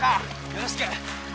よろしく。